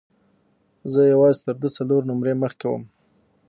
زه یوازې تر ده څلور نمرې مخکې وم.